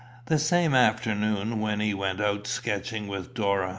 The same afternoon Wynnie went out sketching with Dora.